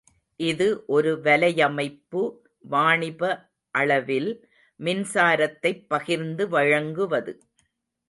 இது ஒருவலையமைப்பு வாணிப அளவில் மின்சாரத்தைப் பகிர்ந்து வழங்குவது.